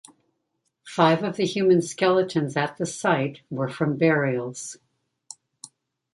Five of the human skeletons at the site were from burials.